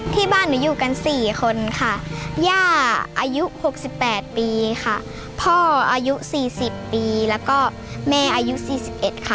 ที่บ้านหนูอยู่กัน๔คนค่ะย่าอายุ๖๘ปีค่ะพ่ออายุ๔๐ปีแล้วก็แม่อายุ๔๑ค่ะ